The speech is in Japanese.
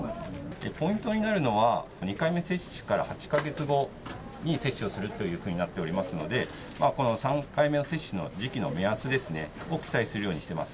ポイントになるのは、２回目接種から８か月後に接種をするというふうになっていますので、この３回目の接種の時期の目安を記載するようにしています。